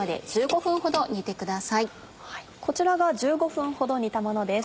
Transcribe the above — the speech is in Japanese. こちらが１５分ほど煮たものです。